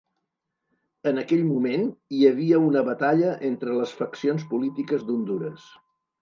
En aquell moment, hi havia una batalla entre les faccions polítiques d'Hondures.